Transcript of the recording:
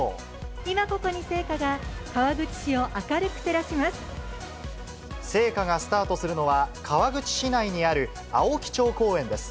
今、ここに聖火が川口市を明聖火がスタートするのは、川口市内にある青木町公園です。